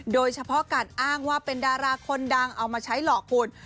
โดยเฉพาะการอ้างว่าเป็นดาราคนดังเอามาใช้หลอกคุณ